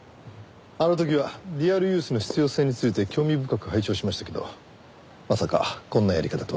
あの時はデュアルユースの必要性について興味深く拝聴しましたけどまさかこんなやり方とは。